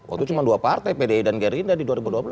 waktu itu cuma dua partai pdi dan gerinda di dua ribu dua belas